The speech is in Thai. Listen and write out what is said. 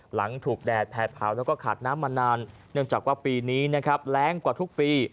หลังถูกแดดแผ่เผาแล้วก็ขาดน้ำมานานเนื่องจากว่าปีนี้นะครับแรงกว่าทุกปี